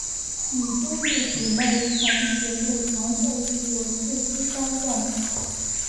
几兄弟姊妹曾协助谭父运作冶金山寨厂。